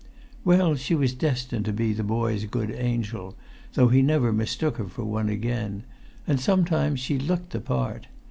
[Pg 255]Well, she was destined to be the boy's good angel, though he never mistook her for one again; and sometimes she looked the part.